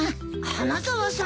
花沢さん。